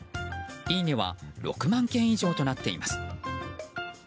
いいねは６万件以上となっています。